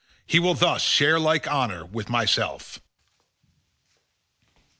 He will thus share like honour with myself."